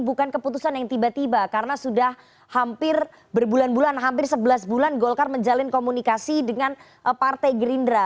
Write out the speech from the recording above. bukan keputusan yang tiba tiba karena sudah hampir berbulan bulan hampir sebelas bulan golkar menjalin komunikasi dengan partai gerindra